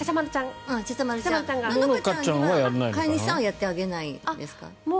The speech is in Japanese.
野々花ちゃんは飼い主さんはやってあげないんですか。